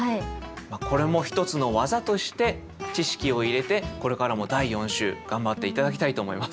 これも一つの技として知識を入れてこれからも第４週頑張って頂きたいと思います。